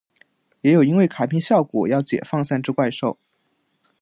也有因为卡片效果要解放三只怪兽。